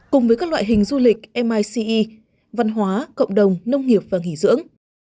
cùng với các loại hình du lịch mice văn hóa cộng đồng nông nghiệp và nghỉ dưỡng